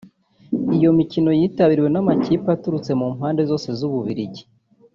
Iyo mikino yitabiriwe n’amakipe aturutse mu mpande zose z’u Bubiligi